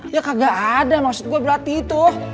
ya kagak ada maksud gue berarti itu